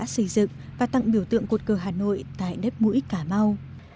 tự dựng và tặng biểu tượng cột cử hà nội tại đất mũi cà mau